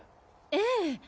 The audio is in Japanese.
ええ。